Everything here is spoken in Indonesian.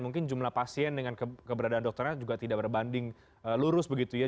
mungkin jumlah pasien dengan keberadaan dokternya juga tidak berbanding lurus begitu ya